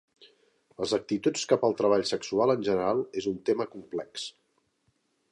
Les actituds cap al treball sexual en general és un tema complex.